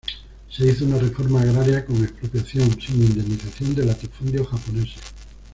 Se hizo una reforma agraria con expropiación sin indemnización de latifundios japoneses.